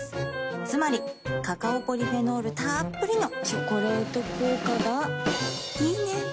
つまりカカオポリフェノールたっぷりの「チョコレート効果」がいいね。